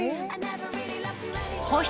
保湿